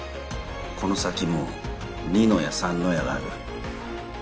この先も二の矢三の矢がある。